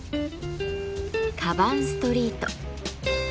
カバンストリート。